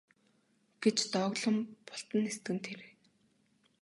гэж дооглон бултан нисдэг нь тэр гэнэ.